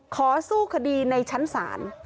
สู้คดีในชั้นศาล